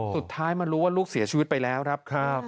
สุดท้ายมารู้ว่าลูกเสียชีวิตไปแล้วครับ